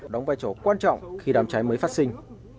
đóng vai trò quan trọng khi đám cháy mới phát sinh